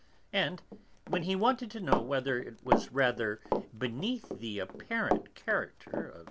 And when he wanted to know whether it was rather beneath the apparent character of M.